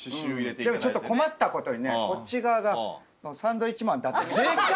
でもちょっと困ったことにねこっち側が「サンドウィッチン伊達みきお」って。